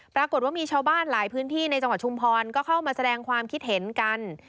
ปรากฏว่ามีชาวบ้านหลายพื้นที่ในจังหวัดชุมพรก็เข้ามาแสดงความคิดเห็นกัน